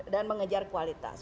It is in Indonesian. dan mengejar kualitas